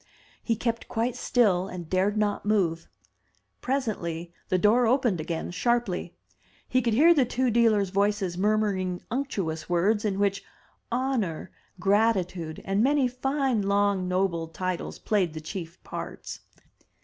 He kept quite still and dared not move. Presently the door opened again sharply. He could hear the two dealers* voices murmuring unctuous words, in which "honor," "gratitude,'' and many fine long noble titles played the chief parts.